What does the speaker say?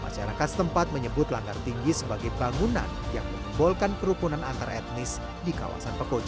masyarakat setempat menyebut langgar tinggi sebagai bangunan yang mengumpulkan kerukunan antar etnis di kawasan pekoja